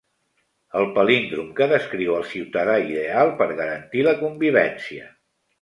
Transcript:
El palíndrom que descriu el ciutadà ideal per garantir la convivència.